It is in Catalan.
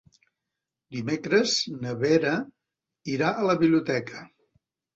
Dimecres na Vera irà a la biblioteca.